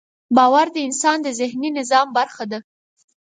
باور د انسان د ذهني نظام برخه ده.